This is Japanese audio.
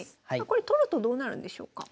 これ取るとどうなるんでしょうか？